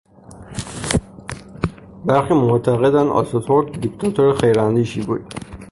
برخی معتقدند آتاتورک دیکتاتور خیراندیشی بود.